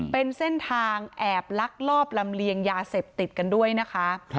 เป็นเส้นทางแอบลักลอบลำเลียงยาเสพติดกันด้วยนะคะ